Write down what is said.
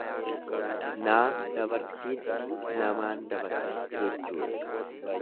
Naa dabartiitti namaan dabarti jechuudha.